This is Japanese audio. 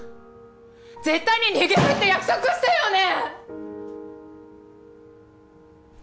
絶対に逃げるって約束したよね！？